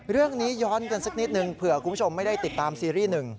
เรื่องนี้ย้อนกันสักนิดนึงเผื่อคุณผู้ชมไม่ได้ติดตามซีรีส์หนึ่ง